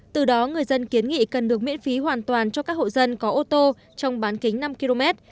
từ đó người dân kiến nghị cần được miễn phí hoàn toàn cho các hộ dân có ô tô trong bán kính năm km